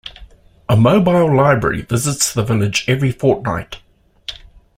A mobile library visits the village every fortnight.